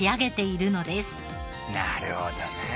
なるほどね！